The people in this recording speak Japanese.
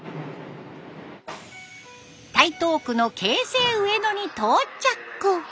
台東区の京成上野に到着。